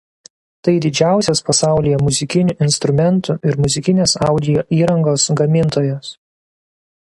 Tai didžiausias pasaulyje muzikinių instrumentų ir muzikinės audio įrangos gamintojas.